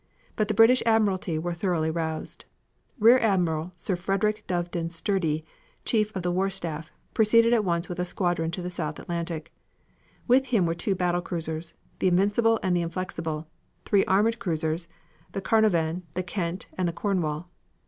But the British admiralty were thoroughly roused. Rear Admiral Sir Frederick Doveton Sturdee, chief of the war staff, proceeded at once with a squadron to the South Atlantic. With him were two battle cruisers, the Invincible and the Inflexible, three armored cruisers, the Carnovan, the Kent and the Cornwall.